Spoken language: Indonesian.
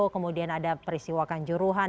kemudian ada peristiwa kanjuruhan